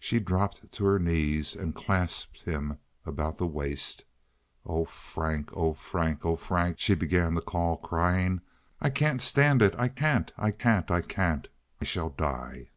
She dropped to her knees and clasped him about the waist. "Oh, Frank! Oh, Frank! Oh, Frank!" she began to call, crying. "I can't stand it! I can't! I can't! I can't! I shall die."